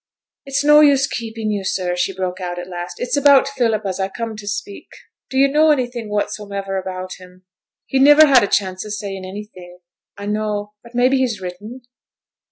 'It's no use keeping yo', sir,' she broke out at last. 'It's about Philip as I comed to speak. Do yo' know any thing whatsomever about him? He niver had a chance o' saying anything, I know; but maybe he's written?'